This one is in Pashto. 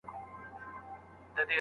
لږه دورې زيارت ته راشه زما واده دی گلې